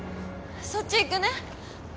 そっち行くね。